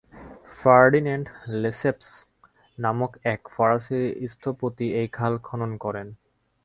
Ferdinand লেসেপ্স নামক এক ফরাসী স্থপতি এই খাল খনন করেন।